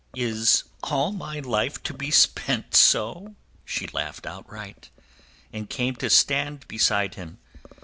Is all my life to be spent so?" She laughed outright, and came to stand beside him.